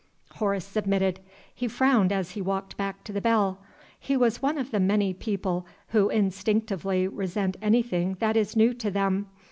Horace submitted. He frowned as he walked back to the bell. He was one of the many people who instinctively resent anything that is new to them.